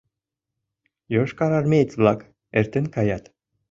Йошкарармеец-влак эртен каят.